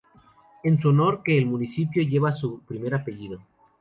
Es en su honor que el municipio lleva su primer apellido.